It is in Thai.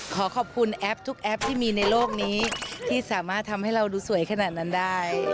ขอขอบคุณแอปทุกแอปที่มีในโลกนี้ที่สามารถทำให้เราดูสวยขนาดนั้นได้